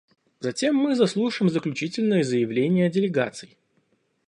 Затем мы заслушаем заключительные заявления делегаций.